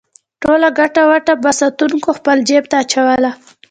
ټوله ګټه وټه به ساتونکو خپل جېب ته اچوله.